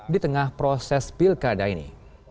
di tengah proses pilkada ini